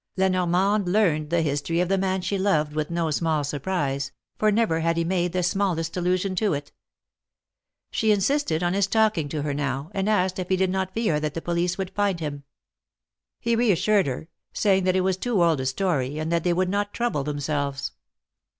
La Normande learned the history of the man she loved with no small surprise, for never had he made the small est allusion to it. She insisted on his talking to her now, and asked if he did not fear that the police would find him. He reassured her, saying that it was too old a story, and that they would not trouble themselves.